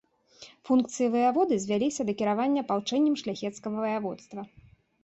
Функцыі ваяводы звяліся да кіравання апалчэннем шляхецкага ваяводства.